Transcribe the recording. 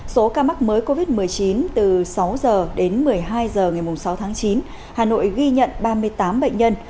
số ca mắc mới covid một mươi chín từ sáu h đến một mươi hai h ngày sáu tháng chín hà nội ghi nhận ba mươi tám bệnh nhân